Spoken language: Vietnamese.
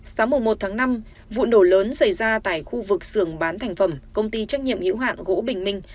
sáng một mươi một tháng năm vụ nổ lớn xảy ra tại khu vực xưởng bán thành phẩm công ty trách nhiệm hữu hạng gỗ bình minh